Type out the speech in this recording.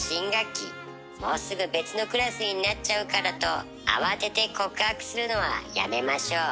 もうすぐ別のクラスになっちゃうからと慌てて告白するのはやめましょう。